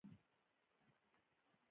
ازادي راډیو د ورزش بدلونونه څارلي.